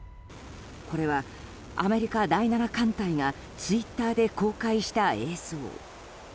これは、アメリカ第７艦隊がツイッターで公開した映像。